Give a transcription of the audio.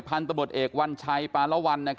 พันธบรตเอกวันชัยปราวรรณ